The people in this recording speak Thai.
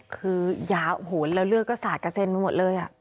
คือยาโอ้โหแล้วเลือดก็สาดกระเซ็นไปหมดเลย